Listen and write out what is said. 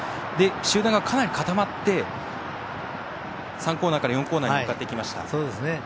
集団がかなり固まって３コーナーから４コーナーに向かっていきました。